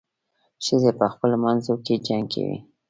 ښځې په خپلو منځو کې جنګ کوي.